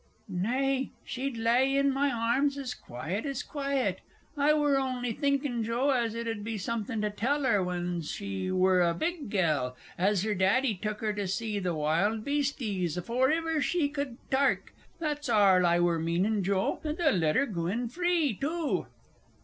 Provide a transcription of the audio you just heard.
Nay, she'd lay in my arms as quiet as quiet. I wur on'y thinkin', Joe, as it 'ud be somethin' to tell her when she wur a big gell, as her daddy took her to see th' wild beasties afoor iver she could tark that's arl I wur meanin', Joe. And they'll let 'er goo in free, too.